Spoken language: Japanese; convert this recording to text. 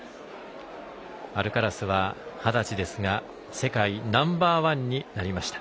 アルカラスは二十歳ですが世界ナンバーワンになりました。